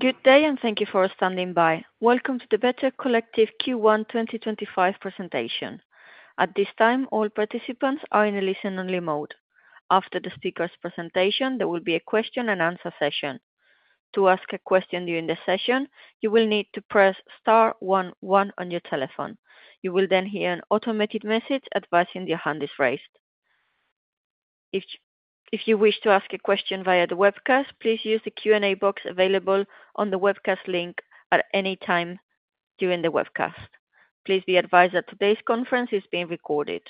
Good day, and thank you for standing by. Welcome to the Better Collective Q1 2025 presentation. At this time, all participants are in a listen-only mode. After the speaker's presentation, there will be a question-and-answer session. To ask a question during the session, you will need to press *11 on your telephone. You will then hear an automated message advising your hand is raised. If you wish to ask a question via the webcast, please use the Q&A box available on the webcast link at any time during the webcast. Please be advised that today's conference is being recorded.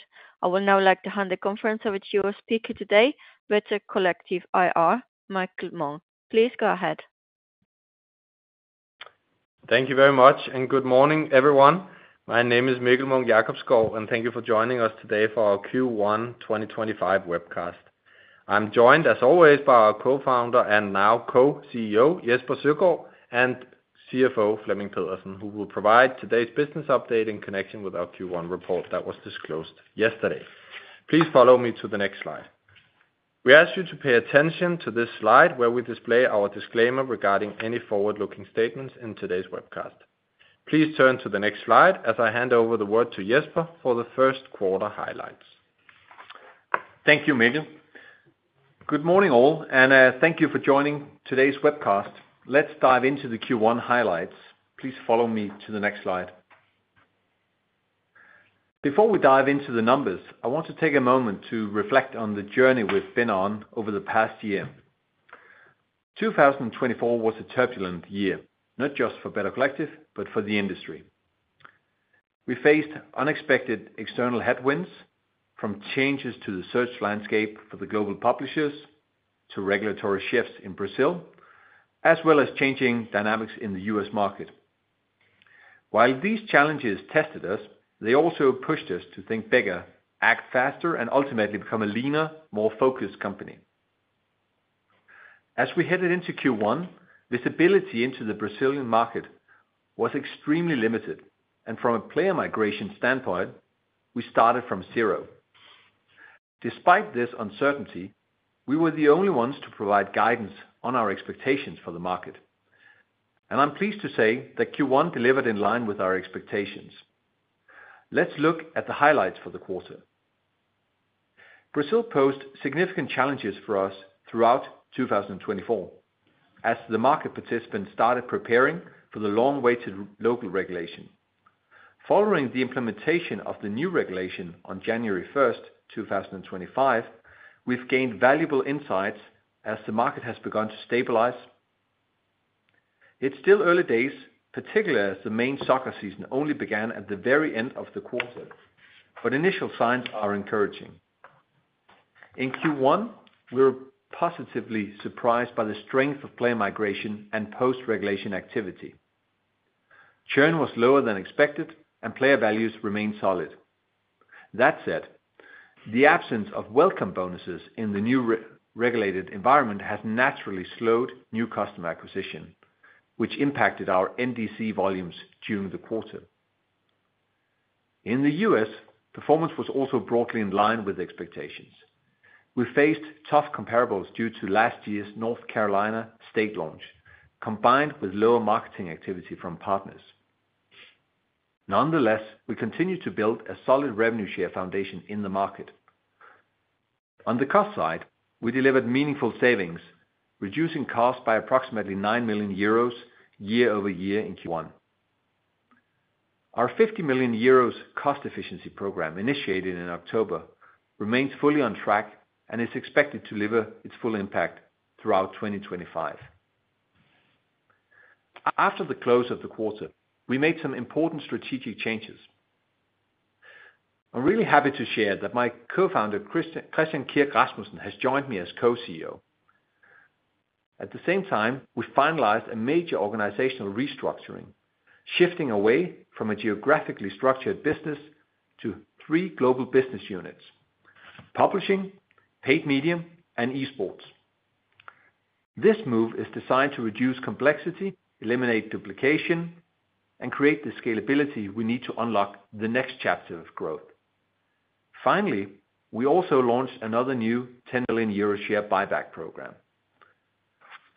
I would now like to hand the conference over to your speaker today, Better Collective IR, Mikkel Munch-Jacobsgaard. Please go ahead. Thank you very much, and good morning, everyone. My name is Mikkel Munch-Jacobsgaard, and thank you for joining us today for our Q1 2025 webcast. I'm joined, as always, by our Co-Founder and now Co-CEO Jesper Søgaard and CFO Flemming Pedersen, who will provide today's business update in connection with our Q1 report that was disclosed yesterday. Please follow me to the next slide. We ask you to pay attention to this slide where we display our disclaimer regarding any forward-looking statements in today's webcast. Please turn to the next slide as I hand over the word to Jesper for the first quarter highlights. Thank you, Mikkel. Good morning, all, and thank you for joining today's webcast. Let's dive into the Q1 highlights. Please follow me to the next slide. Before we dive into the numbers, I want to take a moment to reflect on the journey we've been on over the past year. 2024 was a turbulent year, not just for Better Collective, but for the industry. We faced unexpected external headwinds, from changes to the search landscape for the global publishers to regulatory shifts in Brazil, as well as changing dynamics in the U.S. market. While these challenges tested us, they also pushed us to think bigger, act faster, and ultimately become a leaner, more focused company. As we headed into Q1, visibility into the Brazilian market was extremely limited, and from a player migration standpoint, we started from zero. Despite this uncertainty, we were the only ones to provide guidance on our expectations for the market, and I'm pleased to say that Q1 delivered in line with our expectations. Let's look at the highlights for the quarter. Brazil posed significant challenges for us throughout 2024 as the market participants started preparing for the long-awaited local regulation. Following the implementation of the new regulation on January 1st, 2025, we've gained valuable insights as the market has begun to stabilize. It's still early days, particularly as the main soccer season only began at the very end of the quarter, but initial signs are encouraging. In Q1, we were positively surprised by the strength of player migration and post-regulation activity. Churn was lower than expected, and player values remained solid. That said, the absence of welcome bonuses in the new regulated environment has naturally slowed new customer acquisition, which impacted our NDC volumes during the quarter. In the U.S., performance was also broadly in line with expectations. We faced tough comparables due to last year's North Carolina state launch, combined with lower marketing activity from partners. Nonetheless, we continued to build a solid revenue share foundation in the market. On the cost side, we delivered meaningful savings, reducing costs by approximately 9 million euros year-over-year in Q1. Our 50 million euros cost efficiency program, initiated in October, remains fully on track and is expected to deliver its full impact throughout 2025. After the close of the quarter, we made some important strategic changes. I'm really happy to share that my co-founder, Christian Kirk Rasmussen, has joined me as co-CEO. At the same time, we finalized a major organizational restructuring, shifting away from a geographically-structured business to three global business units: publishing, paid media, and e-sports. This move is designed to reduce complexity, eliminate duplication, and create the scalability we need to unlock the next chapter of growth. Finally, we also launched another new 10 million euro share buyback program.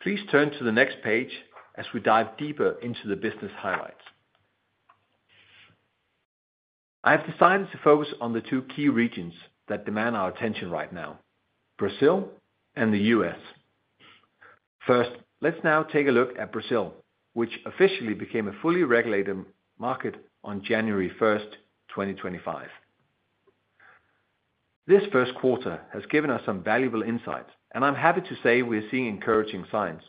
Please turn to the next page as we dive deeper into the business highlights. I have decided to focus on the two key regions that demand our attention right now: Brazil and the U.S.. First, let's now take a look at Brazil, which officially became a fully regulated market on January 1st, 2025. This first quarter has given us some valuable insights, and I'm happy to say we're seeing encouraging signs.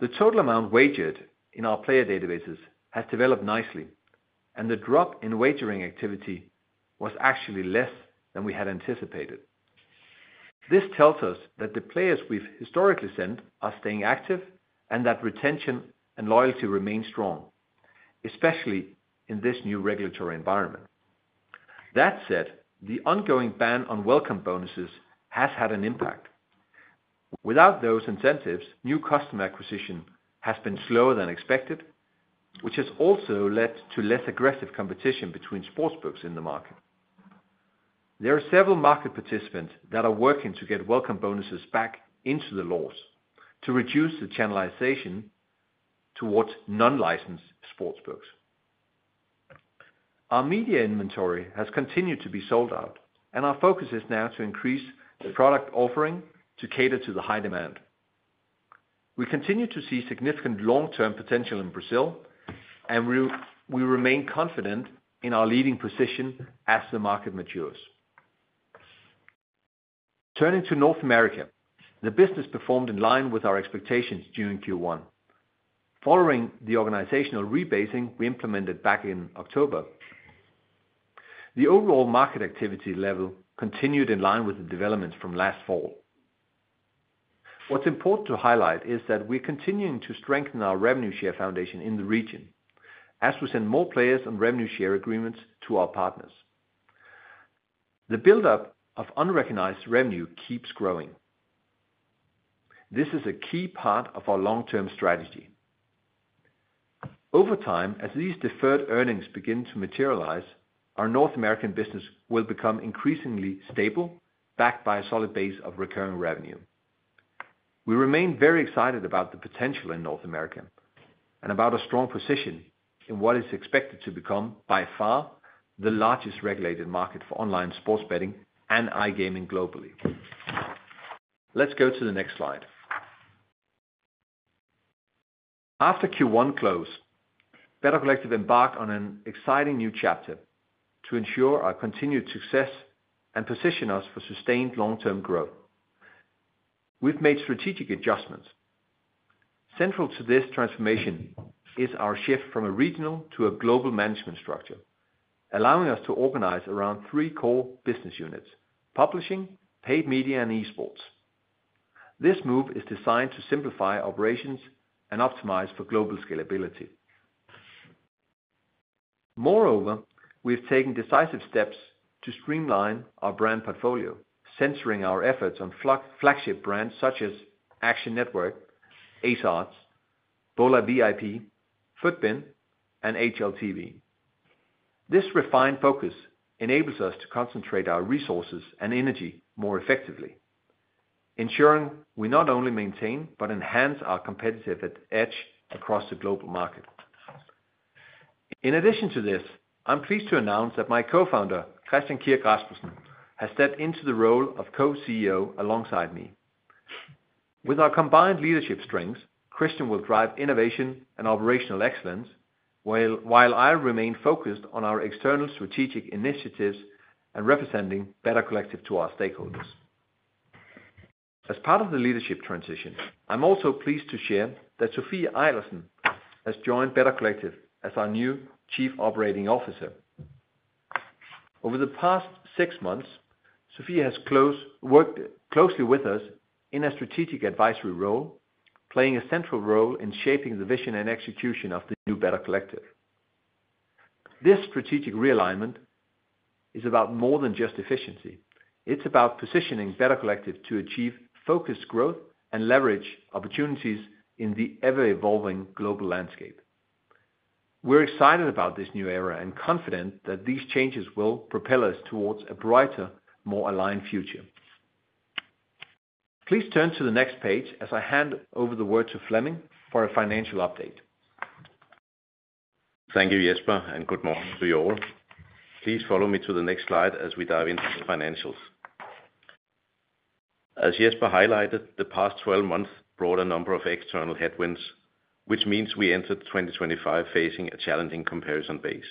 The total amount wagered in our player databases has developed nicely, and the drop in wagering activity was actually less than we had anticipated. This tells us that the players we've historically sent are staying active and that retention and loyalty remain strong, especially in this new regulatory environment. That said, the ongoing ban on welcome bonuses has had an impact. Without those incentives, new customer acquisition has been slower than expected, which has also led to less aggressive competition between sportsbooks in the market. There are several market participants that are working to get welcome bonuses back into the laws to reduce the channelization towards non-licensed sportsbooks. Our media inventory has continued to be sold out, and our focus is now to increase the product offering to cater to the high demand. We continue to see significant long-term potential in Brazil, and we remain confident in our leading position as the market matures. Turning to North America, the business performed in line with our expectations during Q1, following the organizational rebasing we implemented back in October. The overall market activity level continued in line with the developments from last fall. What's important to highlight is that we're continuing to strengthen our revenue share foundation in the region as we send more players on revenue share agreements to our partners. The build-up of unrecognized revenue keeps growing. This is a key part of our long-term strategy. Over time, as these deferred earnings begin to materialize, our North American business will become increasingly stable, backed by a solid base of recurring revenue. We remain very excited about the potential in North America and about a strong position in what is expected to become, by far, the largest regulated market for online sports betting and iGaming globally. Let's go to the next slide. After Q1 closed, Better Collective embarked on an exciting new chapter to ensure our continued success and position us for sustained long-term growth. We've made strategic adjustments. Central to this transformation is our shift from a regional to a global management structure, allowing us to organize around three core business units: publishing, paid media, and e-sports. This move is designed to simplify operations and optimize for global scalability. Moreover, we've taken decisive steps to streamline our brand portfolio, centering our efforts on flagship brands such as Action Network, AceOdds, Bolavip, FUTBIN, and HLTV. This refined focus enables us to concentrate our resources and energy more effectively, ensuring we not only maintain but enhance our competitive edge across the global market. In addition to this, I'm pleased to announce that my Co-Founder, Christian Kirk Rasmussen, has stepped into the role of Co-CEO alongside me. With our combined leadership strengths, Christian will drive innovation and operational excellence while I remain focused on our external strategic initiatives and representing Better Collective to our stakeholders. As part of the leadership transition, I'm also pleased to share that Sofie Ejlersen has joined Better Collective as our new Chief Operating Officer. Over the past six months, Sofie has worked closely with us in a strategic advisory role, playing a central role in shaping the vision and execution of the new Better Collective. This strategic realignment is about more than just efficiency. It's about positioning Better Collective to achieve focused growth and leverage opportunities in the ever-evolving global landscape. We're excited about this new era and confident that these changes will propel us towards a brighter, more aligned future. Please turn to the next page as I hand over the word to Flemming for a financial update. Thank you, Jesper, and good morning to you all. Please follow me to the next slide as we dive into the financials. As Jesper highlighted, the past 12 months brought a number of external headwinds, which means we entered 2025 facing a challenging comparison base.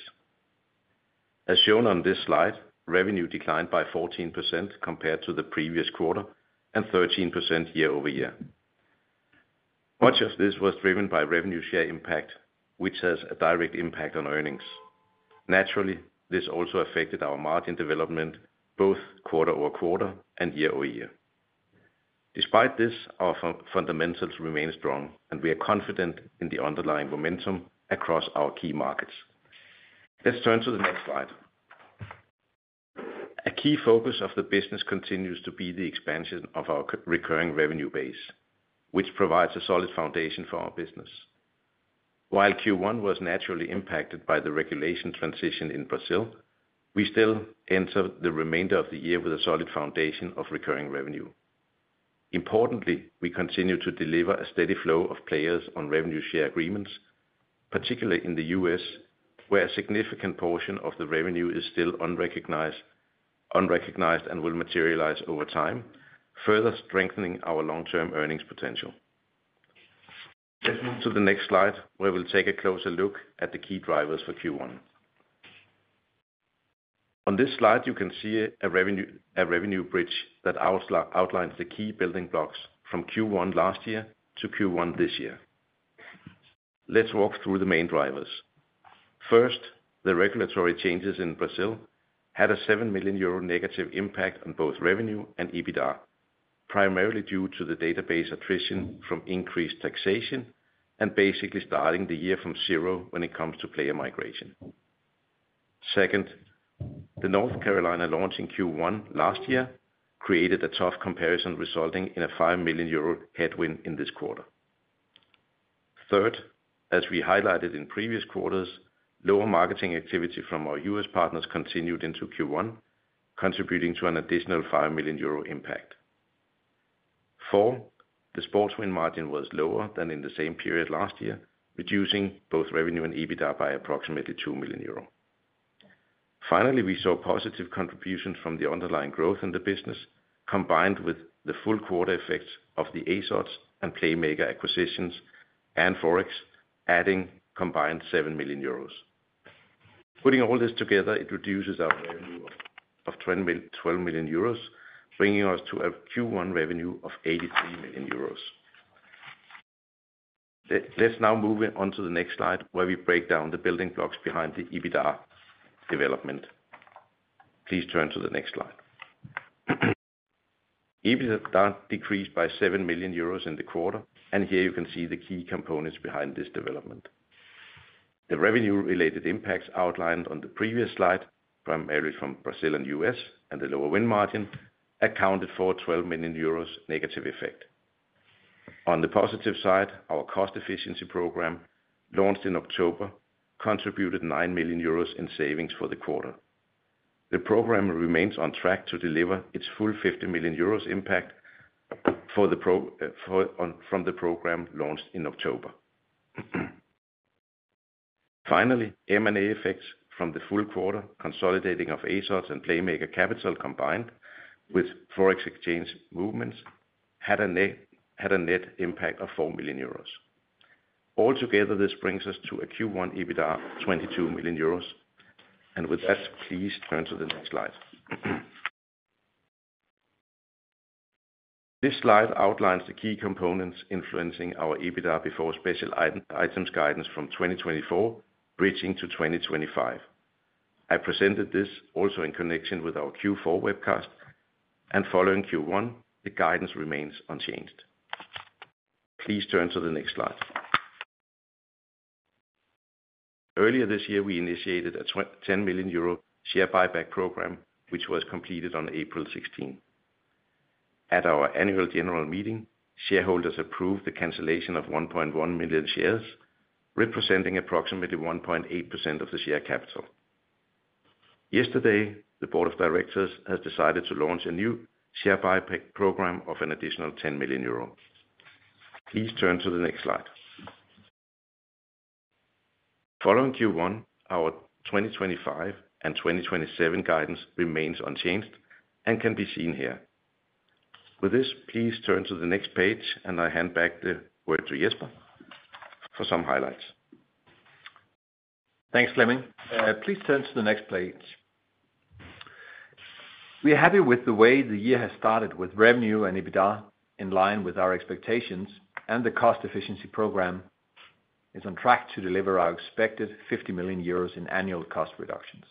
As shown on this slide, revenue declined by 14% compared to the previous quarter and 13% year-over-year. Much of this was driven by revenue share impact, which has a direct impact on earnings. Naturally, this also affected our margin development, both quarter-over-quarter and year-over-year. Despite this, our fundamentals remain strong, and we are confident in the underlying momentum across our key markets. Let's turn to the next slide. A key focus of the business continues to be the expansion of our recurring revenue base, which provides a solid foundation for our business. While Q1 was naturally impacted by the regulation transition in Brazil, we still entered the remainder of the year with a solid foundation of recurring revenue. Importantly, we continue to deliver a steady flow of players on revenue share agreements, particularly in the U.S., where a significant portion of the revenue is still unrecognized and will materialize over time, further strengthening our long-term earnings potential. Let's move to the next slide, where we'll take a closer look at the key drivers for Q1. On this slide, you can see a revenue bridge that outlines the key building blocks from Q1 last year to Q1 this year. Let's walk through the main drivers. First, the regulatory changes in Brazil had a 7 million euro negative impact on both revenue and EBITDA, primarily due to the database attrition from increased taxation and basically starting the year from zero when it comes to player migration. Second, the North Carolina launch in Q1 last year created a tough comparison, resulting in a 5 million euro headwind in this quarter. Third, as we highlighted in previous quarters, lower marketing activity from our U.S. partners continued into Q1, contributing to an additional 5 million euro impact. Fourth, the sports win margin was lower than in the same period last year, reducing both revenue and EBITDA by approximately 2 million euro. Finally, we saw positive contributions from the underlying growth in the business, combined with the full quarter effects of the AceOdds and Playmaker acquisitions and Forex, adding combined 7 million euros. Putting all this together, it reduces our revenue of 12 million euros, bringing us to a Q1 revenue of 83 million euros. Let's now move on to the next slide, where we break down the building blocks behind the EBITDA development. Please turn to the next slide. EBITDA decreased by 7 million euros in the quarter, and here you can see the key components behind this development. The revenue-related impacts outlined on the previous slide, primarily from Brazil and the U.S. and the lower win margin, accounted for a 12 million euros negative effect. On the positive side, our cost efficiency program, launched in October, contributed 9 million euros in savings for the quarter. The program remains on track to deliver its full 50 million euros impact from the program launched in October. Finally, M&A effects from the full quarter, consolidating of AceOdds and Playmaker Capital combined with Forex exchange movements, had a net impact of 4 million euros. Altogether, this brings us to a Q1 EBITDA of 22 million euros. Please turn to the next slide. This slide outlines the key components influencing our EBITDA before special items guidance from 2024 reaching to 2025. I presented this also in connection with our Q4 webcast, and following Q1, the guidance remains unchanged. Please turn to the next slide. Earlier this year, we initiated a 10 million euro share buyback program, which was completed on April 16. At our annual general meeting, shareholders approved the cancellation of 1.1 million shares, representing approximately 1.8% of the share capital. Yesterday, the Board of Directors has decided to launch a new share buyback program of an additional 10 million euro. Please turn to the next slide. Following Q1, our 2025 and 2027 guidance remains unchanged and can be seen here. With this, please turn to the next page, and I hand back the word to Jesper for some highlights. Thanks, Flemming. Please turn to the next page. We are happy with the way the year has started, with revenue and EBITDA in line with our expectations, and the cost efficiency program is on track to deliver our expected 50 million euros in annual cost reductions.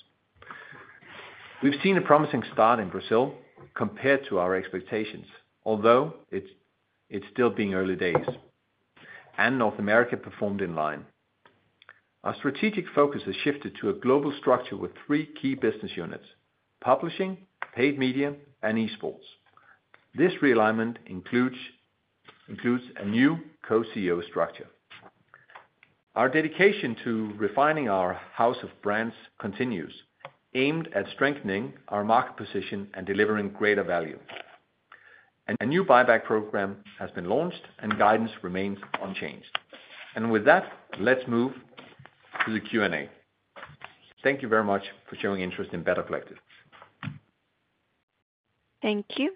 We've seen a promising start in Brazil compared to our expectations, although it's still being early days, and North America performed in line. Our strategic focus has shifted to a global structure with three key business units: publishing, paid media, and e-sports. This realignment includes a new co-CEO structure. Our dedication to refining our house of brands continues, aimed at strengthening our market position and delivering greater value. A new buyback program has been launched, and guidance remains unchanged. Let's move to the Q&A. Thank you very much for showing interest in Better Collective. Thank you.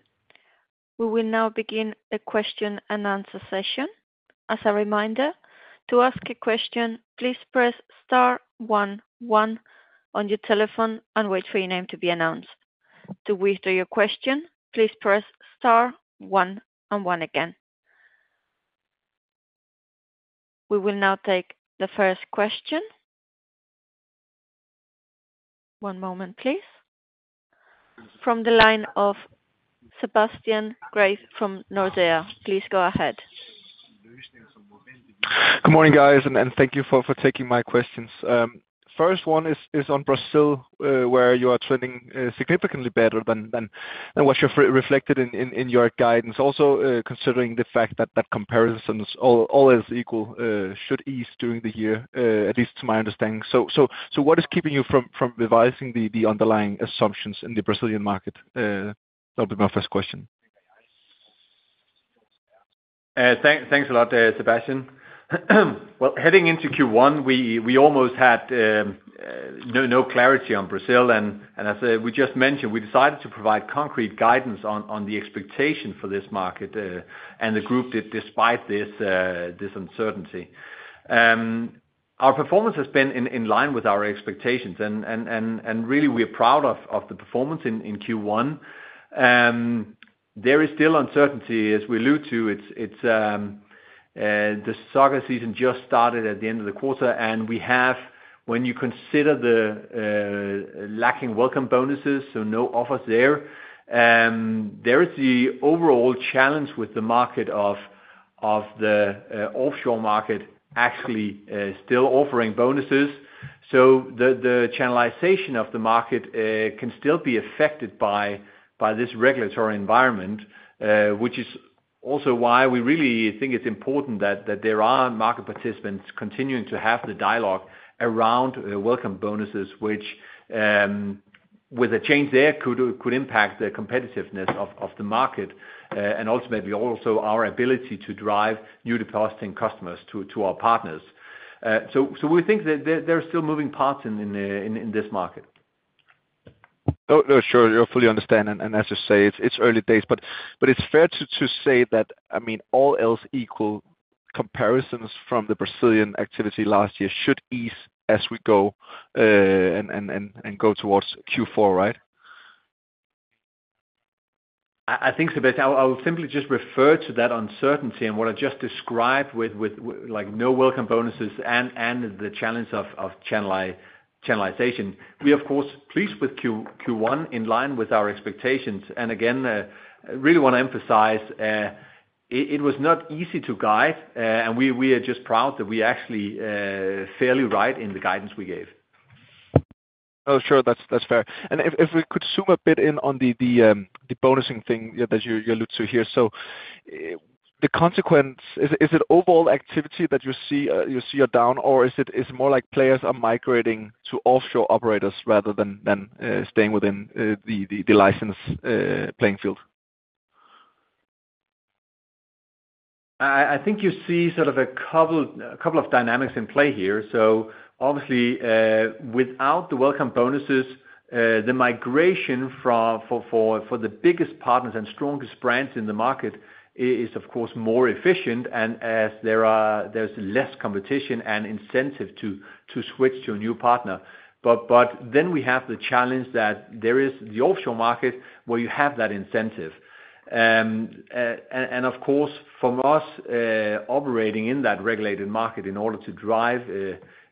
We will now begin a question and answer session. As a reminder, to ask a question, please press *1 1 on your telephone and wait for your name to be announced. To withdraw your question, please press *1 1 again. We will now take the first question. One moment, please. From the line of Sebastian Grave from Nordea, please go ahead. Good morning, guys, and thank you for taking my questions. First one is on Brazil, where you are trending significantly better than what's reflected in your guidance. Also, considering the fact that comparisons always equal should ease during the year, at least to my understanding. What is keeping you from revising the underlying assumptions in the Brazilian market? That'll be my first question. Thanks a lot, Sebastian. Heading into Q1, we almost had no clarity on Brazil. As we just mentioned, we decided to provide concrete guidance on the expectation for this market, and the group did despite this uncertainty. Our performance has been in line with our expectations, and really, we're proud of the performance in Q1. There is still uncertainty, as we allude to. The soccer season just started at the end of the quarter, and we have, when you consider the lacking welcome bonuses, so no offers there, there is the overall challenge with the market of the offshore market actually still offering bonuses. The channelization of the market can still be affected by this regulatory environment, which is also why we really think it's important that there are market participants continuing to have the dialogue around welcome bonuses, which, with a change there, could impact the competitiveness of the market and ultimately also our ability to drive new depositing customers to our partners. We think that there are still moving parts in this market. No, sure. I fully understand. And as you say, it's early days. But it's fair to say that, I mean, all else equal, comparisons from the Brazilian activity last year should ease as we go and go towards Q4, right? I think so, but I'll simply just refer to that uncertainty and what I just described with no welcome bonuses and the challenge of channelization. We, of course, are pleased with Q1 in line with our expectations. Again, I really want to emphasize it was not easy to guide, and we are just proud that we actually fairly right in the guidance we gave. Oh, sure. That's fair. If we could zoom a bit in on the bonusing thing that you alluded to here. The consequence, is it overall activity that you see are down, or is it more like players are migrating to offshore operators rather than staying within the licensed playing field? I think you see sort of a couple of dynamics in play here. Obviously, without the welcome bonuses, the migration for the biggest partners and strongest brands in the market is, of course, more efficient, and there's less competition and incentive to switch to a new partner. We have the challenge that there is the offshore market where you have that incentive. Of course, from us operating in that regulated market in order to drive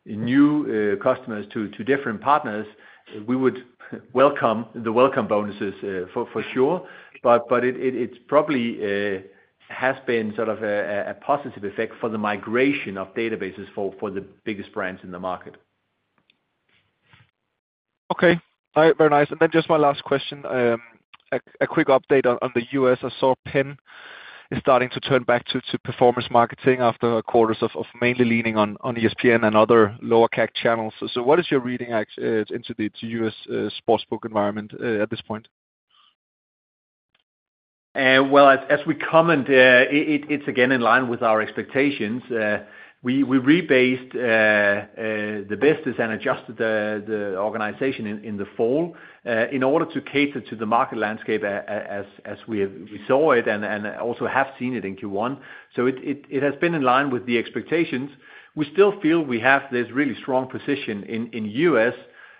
new customers to different partners, we would welcome the welcome bonuses, for sure. It probably has been sort of a positive effect for the migration of databases for the biggest brands in the market. Okay. All right. Very nice. Then just my last question, a quick update on the U.S. I saw Penn is starting to turn back to performance marketing after quarters of mainly leaning on ESPN and other lower-cap channels. What is your reading into the U.S. sportsbook environment at this point? As we comment, it's again in line with our expectations. We rebased the business and adjusted the organization in the fall in order to cater to the market landscape as we saw it and also have seen it in Q1. It has been in line with the expectations. We still feel we have this really strong position in the U.S.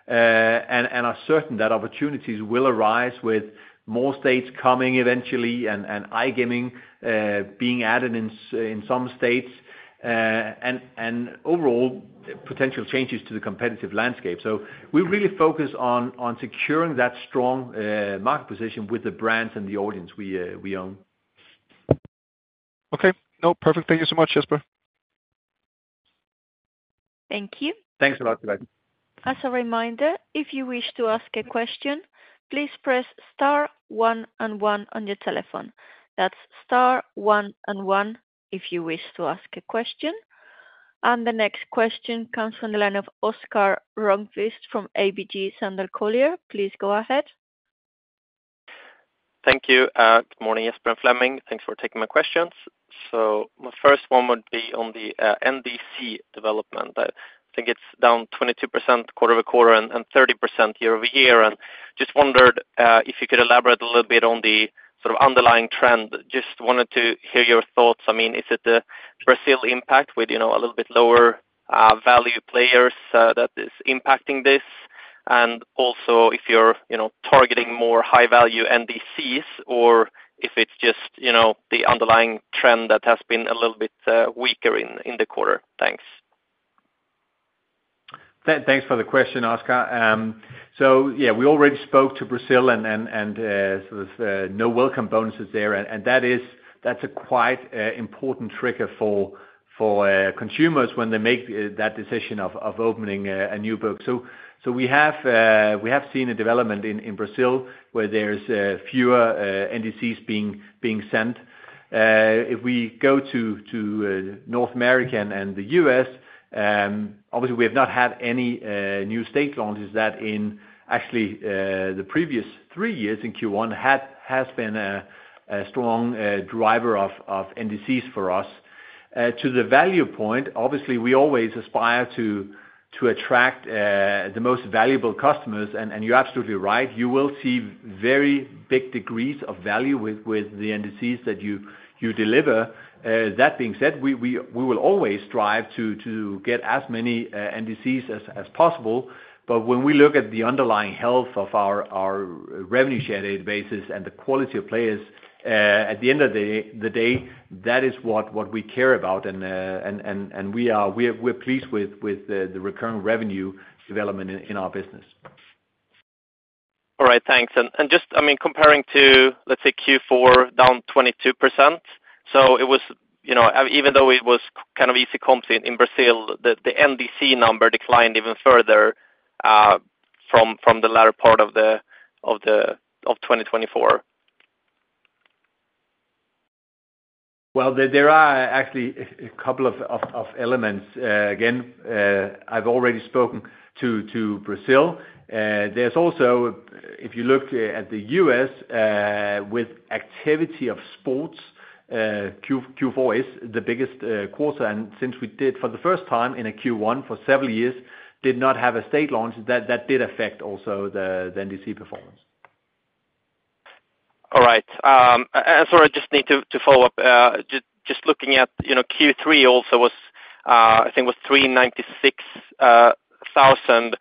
and are certain that opportunities will arise with more states coming eventually and iGaming being added in some states and overall potential changes to the competitive landscape. We really focus on securing that strong market position with the brands and the audience we own. Okay. No, perfect. Thank you so much, Jesper. Thank you. Thanks a lot, Sebastian. As a reminder, if you wish to ask a question, please press * 1 and 1 on your telephone. That's * 1 and 1 if you wish to ask a question. The next question comes from the line of Oscar Lindquist from ABG Sundal Collier. Please go ahead. Thank you. Good morning, Jesper and Flemming. Thanks for taking my questions. My first one would be on the NDC development. I think it's -22% quarter-over-quarter and 30% year-over-year. I just wondered if you could elaborate a little bit on the sort of underlying trend. I just wanted to hear your thoughts. I mean, is it the Brazil impact with a little bit lower value players that is impacting this? Also, if you're targeting more high-value NDCs or if it's just the underlying trend that has been a little bit weaker in the quarter. Thanks. Thanks for the question, Oscar. Yeah, we already spoke to Brazil and sort of no welcome bonuses there. That is a quite important trigger for consumers when they make that decision of opening a new book. We have seen a development in Brazil where there are fewer NDCs being sent. If we go to North America and the U.S., obviously, we have not had any new state launches that in actually the previous three years in Q1 has been a strong driver of NDCs for us. To the value point, obviously, we always aspire to attract the most valuable customers. You are absolutely right. You will see very big degrees of value with the NDCs that you deliver. That being said, we will always strive to get as many NDCs as possible. When we look at the underlying health of our revenue share databases and the quality of players, at the end of the day, that is what we care about. We are pleased with the recurring revenue development in our business. All right. Thanks. Just, I mean, comparing to, let's say, Q4, -22%. Even though it was kind of easy comps in Brazil, the NDC number declined even further from the latter part of 2024. There are actually a couple of elements. Again, I've already spoken to Brazil. If you look at the U.S., with activity of sports, Q4 is the biggest quarter. Since we did for the first time in a Q1 for several years, did not have a state launch, that did affect also the NDC performance. All right. Sorry, I just need to follow up. Just looking at Q3 also, I think was 396,000.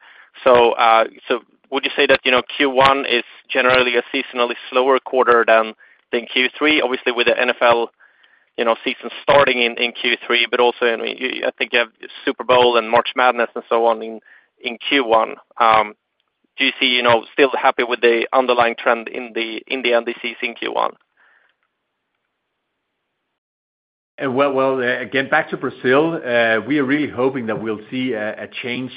Would you say that Q1 is generally a seasonally slower quarter than Q3? Obviously, with the NFL season starting in Q3, but also I think you have Super Bowl and March Madness and so on in Q1. Do you see still happy with the underlying trend in the NDCs in Q1? Again, back to Brazil, we are really hoping that we'll see a change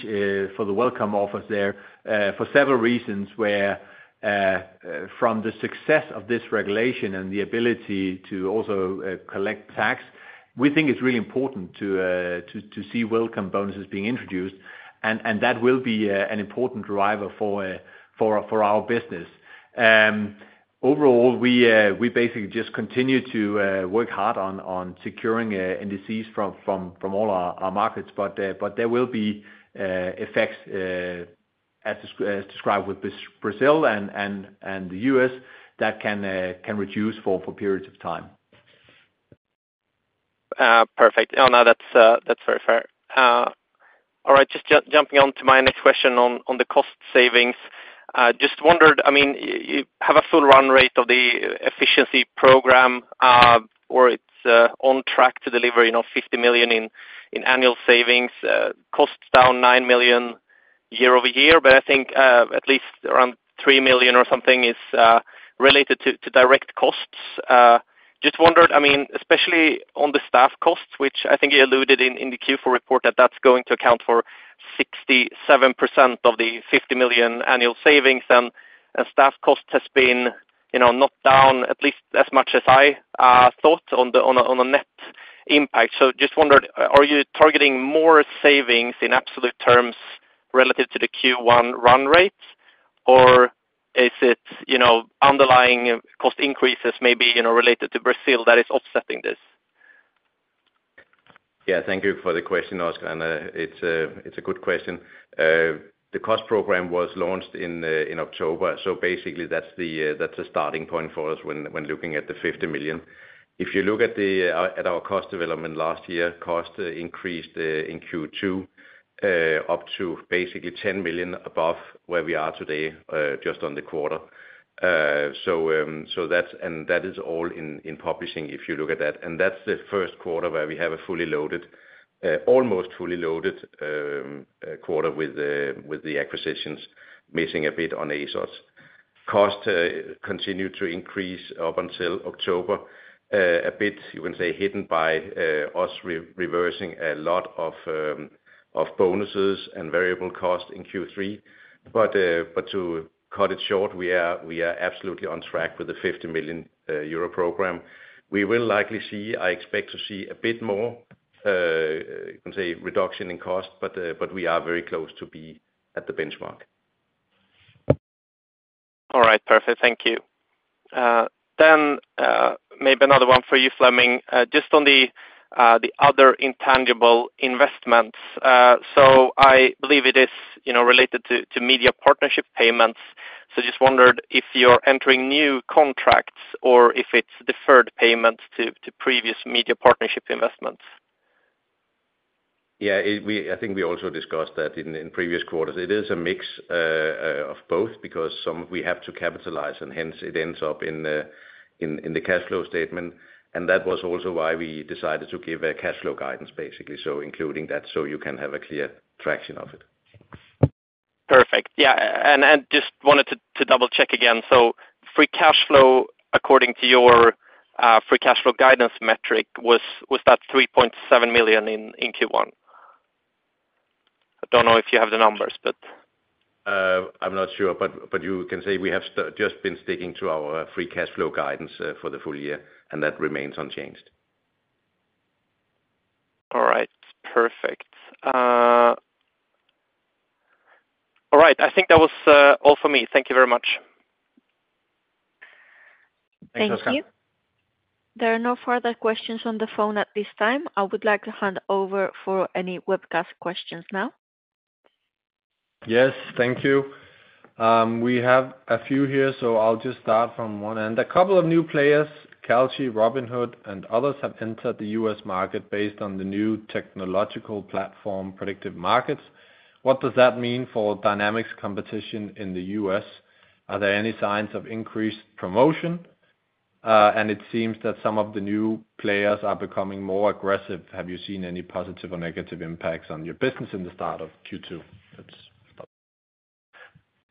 for the welcome offers there for several reasons where from the success of this regulation and the ability to also collect tax, we think it's really important to see welcome bonuses being introduced. That will be an important driver for our business. Overall, we basically just continue to work hard on securing NDCs from all our markets. There will be effects, as described with Brazil and the U.S., that can reduce for periods of time. Perfect. Oh, no, that's very fair. All right. Just jumping on to my next question on the cost savings. Just wondered, I mean, you have a full run rate of the efficiency program, or it's on track to deliver 50 million in annual savings. Costs down 9 million year-over-year, but I think at least around 3 million or something is related to direct costs. Just wondered, I mean, especially on the staff costs, which I think you alluded in the Q4 report that that's going to account for 67% of the 50 million annual savings. And staff costs have been not down at least as much as I thought on a net impact. Just wondered, are you targeting more savings in absolute terms relative to the Q1 run rate, or is it underlying cost increases maybe related to Brazil that is offsetting this? Yeah. Thank you for the question, Oscar. It is a good question. The cost program was launched in October. Basically, that is the starting point for us when looking at the 50 million. If you look at our cost development last year, cost increased in Q2 up to basically 10 million above where we are today just on the quarter. That is all in publishing if you look at that. That is the first quarter where we have a fully loaded, almost fully loaded quarter with the acquisitions missing a bit on ASOS. Cost continued to increase up until October a bit, you can say, hidden by us reversing a lot of bonuses and variable cost in Q3. To cut it short, we are absolutely on track with the 50 million euro program. We will likely see, I expect to see a bit more, you can say, reduction in cost, but we are very close to be at the benchmark. All right. Perfect. Thank you. Maybe another one for you, Flemming. Just on the other intangible investments. I believe it is related to media partnership payments. I just wondered if you're entering new contracts or if it's deferred payments to previous media partnership investments. Yeah. I think we also discussed that in previous quarters. It is a mix of both because we have to capitalize, and hence it ends up in the cash flow statement. That was also why we decided to give a cash flow guidance, basically, so including that so you can have a clear traction of it. Perfect. Yeah. I just wanted to double-check again. So free cash flow, according to your free cash flow guidance metric, was that 3.7 million in Q1? I don't know if you have the numbers, but. I'm not sure. You can say we have just been sticking to our free cash flow guidance for the full year, and that remains unchanged. All right. Perfect. All right. I think that was all for me. Thank you very much. Thank you. Thank you. There are no further questions on the phone at this time. I would like to hand over for any webcast questions now. Yes. Thank you. We have a few here, so I'll just start from one end. A couple of new players, Kalshi, Robinhood, and others have entered the U.S. market based on the new technological platform predictive markets. What does that mean for dynamics competition in the U.S.? Are there any signs of increased promotion? It seems that some of the new players are becoming more aggressive. Have you seen any positive or negative impacts on your business in the start of Q2?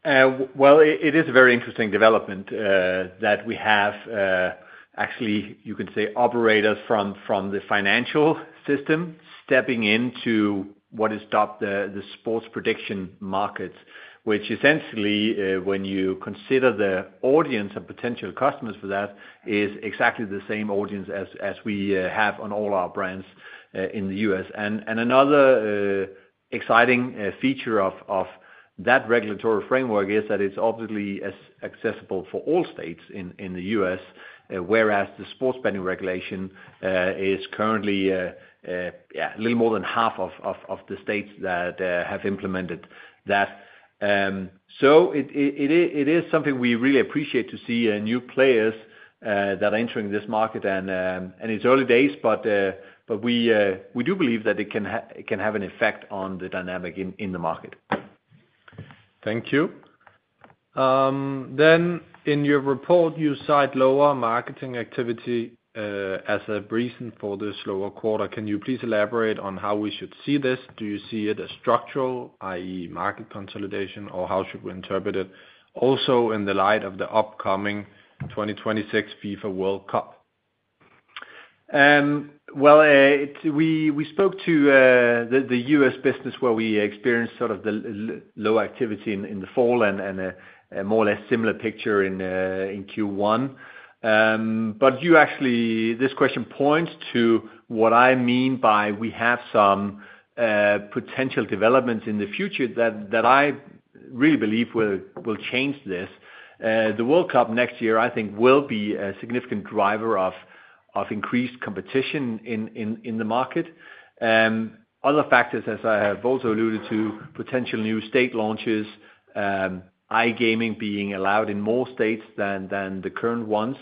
It is a very interesting development that we have actually, you can say, operators from the financial system stepping into what is dubbed the sports prediction markets, which essentially, when you consider the audience and potential customers for that, is exactly the same audience as we have on all our brands in the U.S.. Another exciting feature of that regulatory framework is that it's obviously accessible for all states in the U.S., whereas the sports betting regulation is currently, yeah, a little more than half of the states that have implemented that. It is something we really appreciate to see new players that are entering this market. It's early days, but we do believe that it can have an effect on the dynamic in the market. Thank you. In your report, you cite lower marketing activity as a reason for the slower quarter. Can you please elaborate on how we should see this? Do you see it as structural, i.e., market consolidation, or how should we interpret it also in the light of the upcoming 2026 FIFA World Cup? We spoke to the U.S. business where we experienced sort of the low activity in the fall and a more or less similar picture in Q1. This question points to what I mean by we have some potential developments in the future that I really believe will change this. The World Cup next year, I think, will be a significant driver of increased competition in the market. Other factors, as I have also alluded to, potential new state launches, iGaming being allowed in more states than the current ones.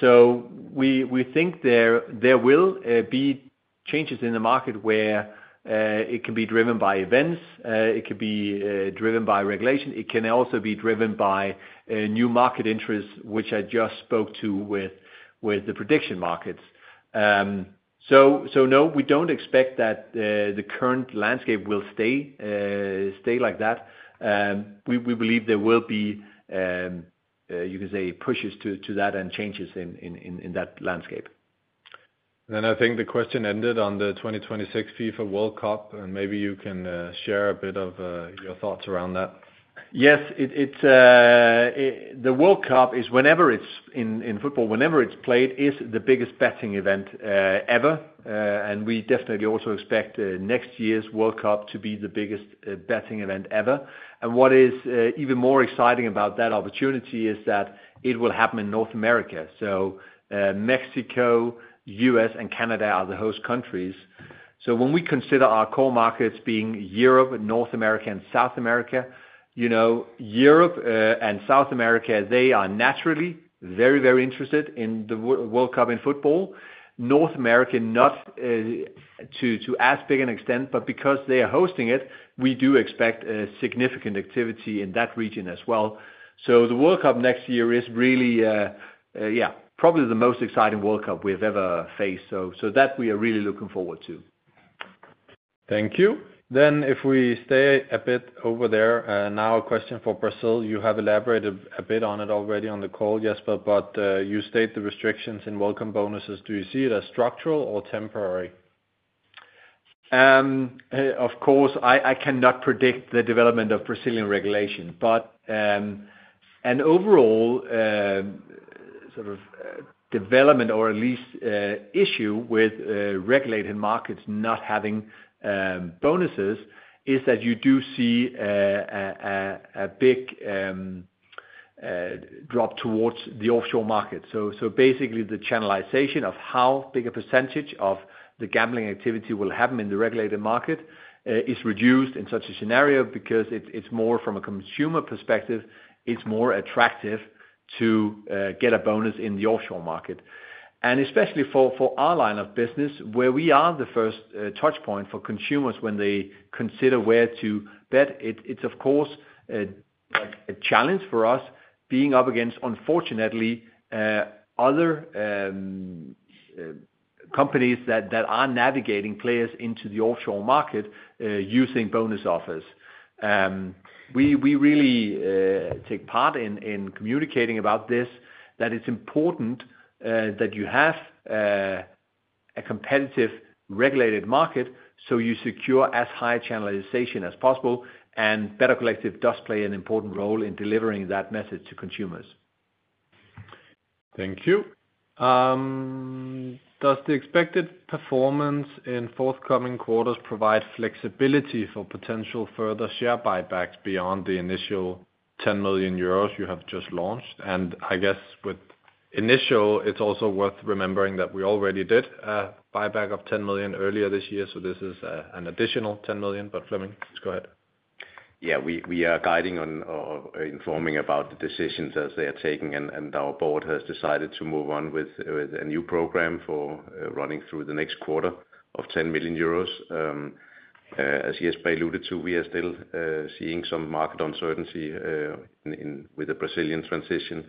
We think there will be changes in the market where it can be driven by events. It could be driven by regulation. It can also be driven by new market interests, which I just spoke to with the prediction markets. No, we do not expect that the current landscape will stay like that. We believe there will be, you can say, pushes to that and changes in that landscape. I think the question ended on the 2026 FIFA World Cup, and maybe you can share a bit of your thoughts around that. Yes. The World Cup is, whenever it is in football, whenever it is played, the biggest betting event ever. We definitely also expect next year's World Cup to be the biggest betting event ever. What is even more exciting about that opportunity is that it will happen in North America. Mexico, U.S., and Canada are the host countries. When we consider our core markets being Europe, North America, and South America, Europe and South America are naturally very, very interested in the World Cup in football. North America, not to as big an extent, but because they are hosting it, we do expect significant activity in that region as well. The World Cup next year is really, yeah, probably the most exciting World Cup we have ever faced. We are really looking forward to that. Thank you. If we stay a bit over there, now a question for Brazil. You have elaborated a bit on it already on the call, Jesper, but you state the restrictions in welcome bonuses. Do you see it as structural or temporary? Of course, I cannot predict the development of Brazilian regulation. An overall sort of development or at least issue with regulated markets not having bonuses is that you do see a big drop towards the offshore market. Basically, the channelization of how big a percentage of the gambling activity will happen in the regulated market is reduced in such a scenario because from a consumer perspective, it is more attractive to get a bonus in the offshore market. Especially for our line of business, where we are the first touchpoint for consumers when they consider where to bet, it is, of course, a challenge for us being up against, unfortunately, other companies that are navigating players into the offshore market using bonus offers. We really take part in communicating about this, that it is important that you have a competitive regulated market so you secure as high channelization as possible. Better Collective does play an important role in delivering that message to consumers. Thank you. Does the expected performance in forthcoming quarters provide flexibility for potential further share buybacks beyond the initial 10 million euros you have just launched? I guess with initial, it's also worth remembering that we already did a buyback of 10 million earlier this year. This is an additional 10 million. Flemming, please go ahead. Yeah. We are guiding on or informing about the decisions as they are taken, and our board has decided to move on with a new program for running through the next quarter of 10 million euros. As Jesper alluded to, we are still seeing some market uncertainty with the Brazilian transition.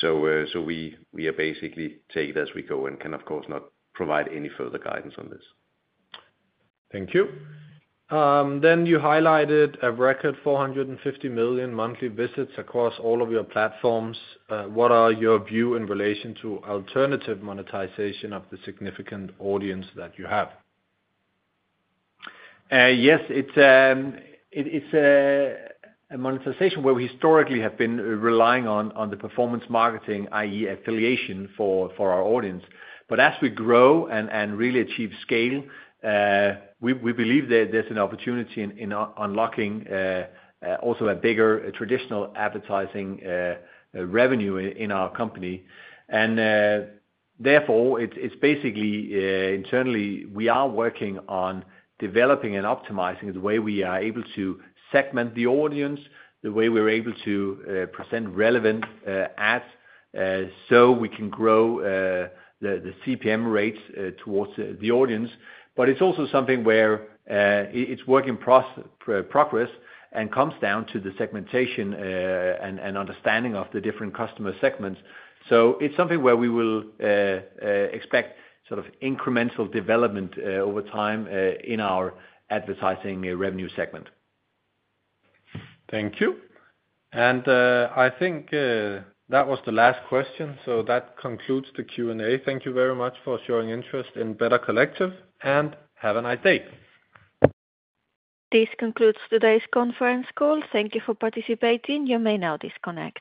So we are basically take it as we go and can, of course, not provide any further guidance on this. Thank you. You highlighted a record 450 million monthly visits across all of your platforms. What are your views in relation to alternative monetization of the significant audience that you have? Yes. It's a monetization where we historically have been relying on the performance marketing, i.e., affiliation for our audience. As we grow and really achieve scale, we believe there's an opportunity in unlocking also a bigger traditional advertising revenue in our company. Therefore, it's basically internally we are working on developing and optimizing the way we are able to segment the audience, the way we're able to present relevant ads so we can grow the CPM rates towards the audience. It's also something where it's work in progress and comes down to the segmentation and understanding of the different customer segments. It's something where we will expect sort of incremental development over time in our advertising revenue segment. Thank you. I think that was the last question. That concludes the Q&A. Thank you very much for showing interest in Better Collective, and have a nice day. This concludes today's conference call. Thank you for participating. You may now disconnect.